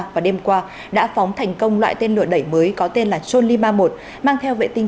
và đêm qua đã phóng thành công loại tên lửa đẩy mới có tên là chon li ma một mang theo vệ tinh